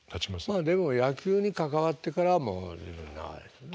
まあでも野球に関わってからはもう長いですよね？